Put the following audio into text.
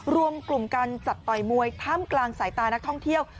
รวมกลุ่มการจัดต่อยมวยท่ามกลางสายตานักท่องเที่ยว